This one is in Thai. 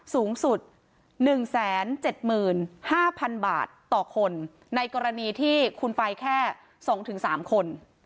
สูงสุด๑๗๕๐๐๐บาทต่อคนในกรณีที่คุณไปแค่๒๓คน